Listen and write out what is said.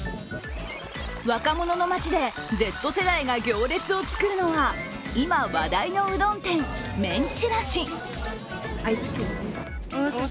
若者の街でＺ世代が行列を作るのは今、話題のうどん店、麺散。